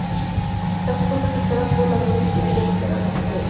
La tumba fue saqueada por ladrones y hoy ya no quedan restos de ella.